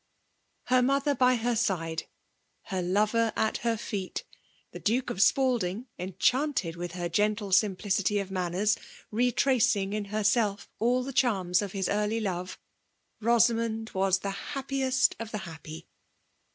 Her mother by her side, — her lerrer at her feet> — the Duke of Spalding, enchanted with her gentle simplicity of manneni, retradng in herself all the diarms of hur e»ly love, Bosa^ Bond was the happiest of the happy.